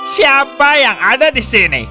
siapa yang ada di sini